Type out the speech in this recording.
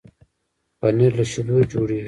پنېر له شيدو جوړېږي.